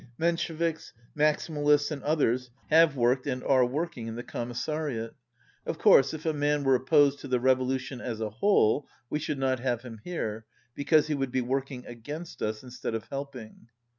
Men sheviks. Maximalists and others have worked and are working in the Commissariat. Of course if a man were opposed to the revolution as a whole we should not have him here, because he would be working against us instead of helping."